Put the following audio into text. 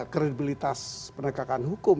kredibilitas penegakan hukum